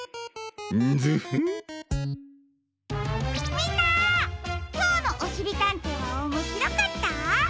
みんなきょうの「おしりたんてい」はおもしろかった？